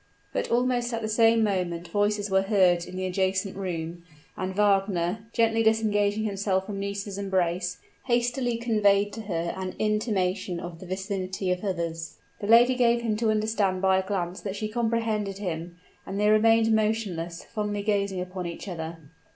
But almost at the same moment voices were heard in the adjacent room: and Wagner, gently disengaging himself from Nisida's embrace, hastily conveyed to her an intimation of the vicinity of others. The lady gave him to understand by a glance that she comprehended him; and they remained motionless, fondly gazing upon each other.